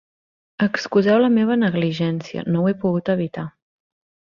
Excuseu la meva negligència, no ho he pogut evitar.